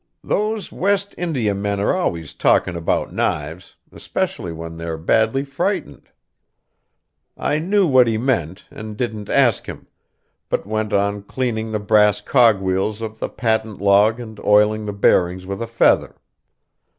Those West India men are always talking about knives, especially when they are badly frightened. I knew what he meant, and didn't ask him, but went on cleaning the brass cogwheels of the patent log and oiling the bearings with a feather.